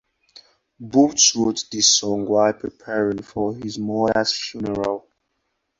Booth wrote this song while preparing for his mother's funeral.